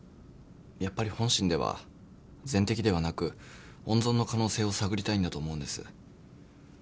やっぱり本心では全摘ではなく温存の可能性を探りたいんだと思うんです。